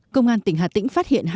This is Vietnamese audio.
công an tỉnh hà tĩnh phát hiện